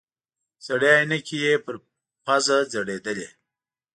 زړې عینکې یې پر پوزه ځړېدلې.